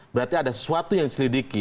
berarti ada sesuatu yang diselidiki